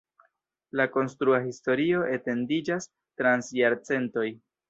La konstrua historio etendiĝas trans jarcentoj.